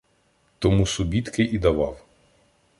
Тому субітки і давав.